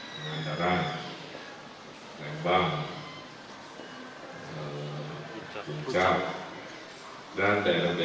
dan daerah daerah yang biasanya jadi sumber berita viral kerumunan